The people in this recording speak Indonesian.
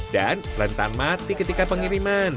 dan rentan mati ketika pengiriman